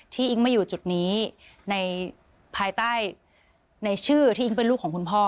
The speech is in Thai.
อิ๊งไม่อยู่จุดนี้ในภายใต้ในชื่อที่อิ๊งเป็นลูกของคุณพ่อ